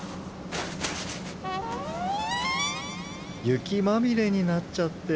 ゆきまみれになっちゃって。